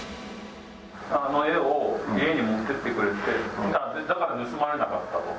「あの画を家に持って行ってくれてだから盗まれなかった」と。